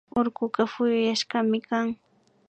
Urkuka puyuyashkami kan